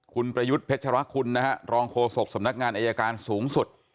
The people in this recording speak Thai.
คุณประยุทธ์เพชรคุณนะฮะรองโฆษกสำนักงานอายการสูงสุด